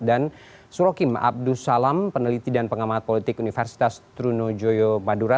dan surokim abdus salam peneliti dan pengamah politik universitas trunojoyo madura